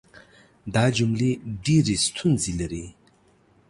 دا جملې ډېرې ستونزې لري.